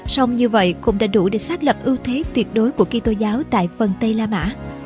xong như vậy cũng đã đủ để xác lập ưu thế tuyệt đối của kỳ tô giáo tại phần tây la mã